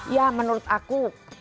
ya menurut aku